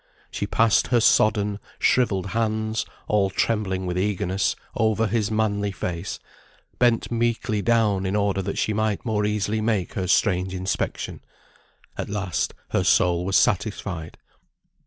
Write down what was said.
She passed her sodden, shrivelled hands, all trembling with eagerness, over his manly face, bent meekly down in order that she might more easily make her strange inspection. At last, her soul was satisfied.